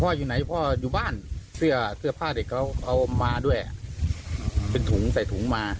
อยู่ไหนพ่ออยู่บ้านเสื้อเสื้อผ้าเด็กเขาเอามาด้วยเป็นถุงใส่ถุงมา